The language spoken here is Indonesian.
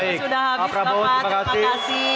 sudah habis bapak terima kasih